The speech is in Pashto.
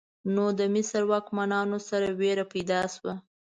نو د مصر واکمنانو سره ویره پیدا شوه.